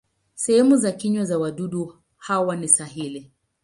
Sehemu za kinywa za wadudu hawa ni sahili.